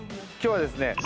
今日はですね